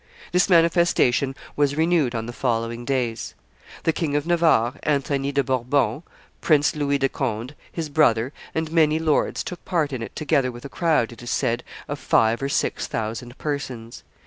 This manifestation was renewed on the following days. The King of Navarre, Anthony de Bourbon, Prince Louis de Conde, his brother, and many lords took part in it together with a crowd, it is said, of five or six thousand persons.